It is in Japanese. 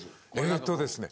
ええっとですね。